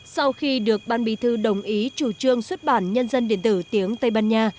sau khi được ban bí thư đồng ý chủ trương xuất bản nhân dân điện tử tiếng tây ban nha